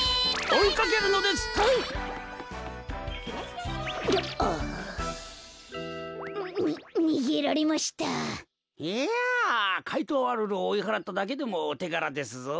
いやかいとうアルルをおいはらっただけでもおてがらですぞ。